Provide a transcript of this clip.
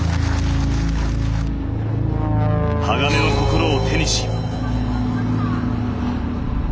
鋼の心を手にし。